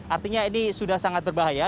artinya ini sudah sangat berbahaya